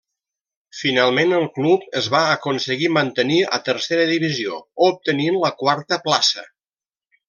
Finalment el club es va aconseguir mantenir a tercera divisió obtenint la quarta plaça.